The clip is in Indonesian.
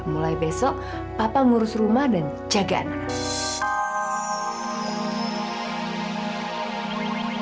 mulai besok papa ngurus rumah dan jaga anak